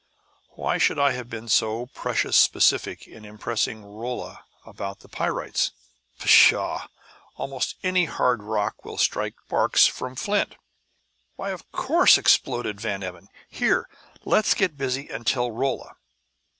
Why should I have been so precious specific in impressing Rolla about the pyrites? Pshaw! Almost any hard rock will strike sparks from flint!" "Why, of course!" exploded Van Emmon. "Here let's get busy and tell Rolla!"